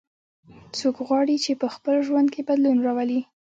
څوک غواړي چې په خپل ژوند کې بدلون راولي